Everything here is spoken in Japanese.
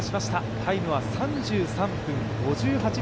タイムは３３分５８秒。